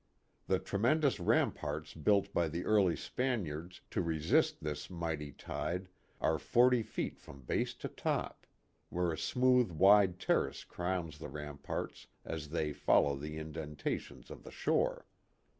The tremendous ramparts built by the early Spaniards to resist this mighty tide are forty feet from base to top ; where a smooth wide terrace crowns the ramparts as they follow the indentations of the shore.